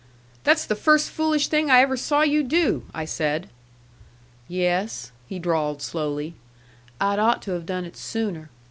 "That's the first foolish thing I ever saw you do!" I said. "Yes," he drawled slowly, "I'd ought to have done it sooner.